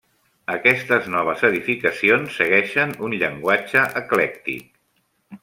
Aquestes noves edificacions segueixen un llenguatge eclèctic.